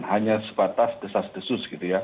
hanya sebatas desas desus gitu ya